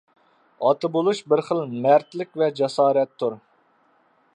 ئاتا بولۇش بىر خىل مەردلىك ۋە جاسارەتتۇر.